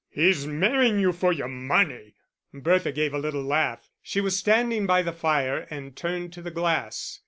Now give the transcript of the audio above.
"He's marrying you for your money." Bertha gave a little laugh. She was standing by the fire and turned to the glass....